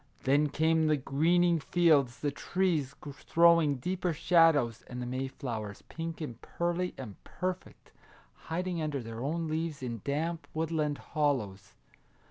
Then came the greening fields, the trees throwing deeper shadows, and the Mayflowers, pink and pearly and perfect, hiding under their own leaves in damp woodland hollows